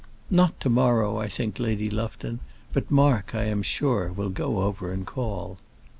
"Not to morrow, I think, Lady Lufton; but Mark, I am sure, will go over and call."